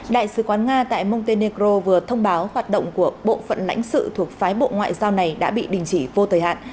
đại sứ quán nga tại montenegro vừa thông báo hoạt động của bộ phận lãnh sự thuộc phái bộ ngoại giao này đã bị đình chỉ vô thời hạn